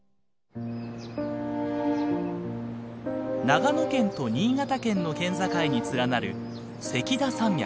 長野県と新潟県の県境に連なる関田山脈。